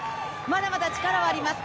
まだまだ力はあります。